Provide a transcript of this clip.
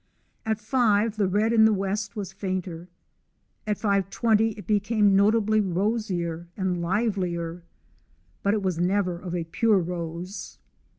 .At 5 the red in the west was fainter, at 5.20 it became notably rosier and livelier ; but it was never of a pure rose.